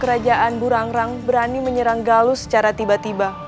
kerajaan burangrang berani menyerang galus secara tiba tiba